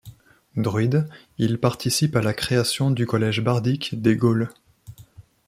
Druide, il participe à la création du Collège bardique des Gaules.